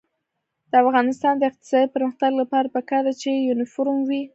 د افغانستان د اقتصادي پرمختګ لپاره پکار ده چې یونیفورم وي.